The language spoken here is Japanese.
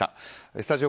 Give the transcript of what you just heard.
スタジオ